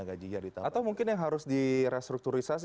atau mungkin yang harus di restrukturisasi